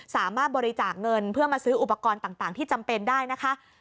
สามารถบริจาคเงินเพื่อมาซื้ออุปกรณ์ต่างที่จำเป็นได้นะคะ